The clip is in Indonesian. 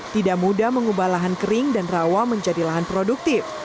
tidak mudah mengubah lahan kering dan rawa menjadi lahan produktif